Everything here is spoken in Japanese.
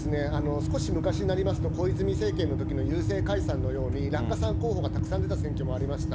少し昔になりますと、小泉政権のときの郵政解散のように、落下傘候補がたくさん出た選挙もありました。